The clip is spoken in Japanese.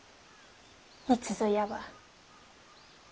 いつぞやは。